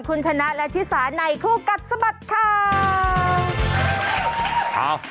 คุณชนะและชิสาในคู่กัดสะบัดข่าว